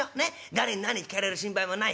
誰に何聞かれる心配もない。